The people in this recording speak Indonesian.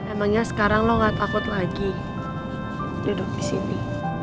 emangnya sekarang lo gak takut lagi duduk di sini